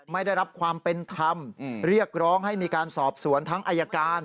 ไม่ได้รับความเป็นธรรมเรียกร้องให้มีการสอบสวนทั้งอายการ